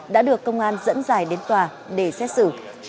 đã được công an dẫn dài đến tòa để xét xử